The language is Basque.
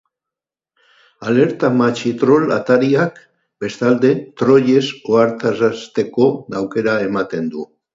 Alerta machitroll atariak, bestalde, trollez ohartarazteko aukera ematen du.